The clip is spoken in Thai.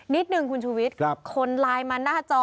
นิดนึงคุณชุวิตคนไลน์มาหน้าจอ